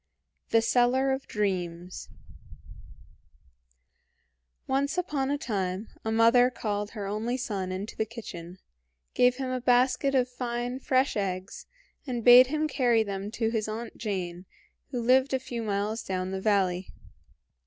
THE SELLER OF DREAMS Once upon a time a mother called her only son into the kitchen, gave him a basket of fine, fresh eggs, and bade him carry them to his Aunt Jane, who lived a few miles down the valley.